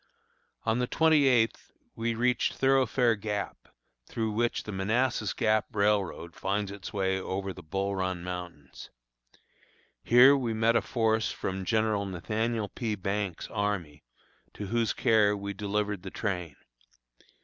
On the twenty eighth we reached Thoroughfare Gap, through which the Manassas Gap railroad finds its way over the Bull Run mountains. Here we met a force from General Nathaniel P. Banks' army, to whose care we delivered the train.